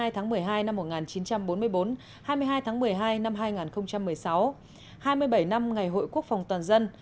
hai mươi tháng một mươi hai năm một nghìn chín trăm bốn mươi bốn hai mươi hai tháng một mươi hai năm hai nghìn một mươi sáu hai mươi bảy năm ngày hội quốc phòng toàn dân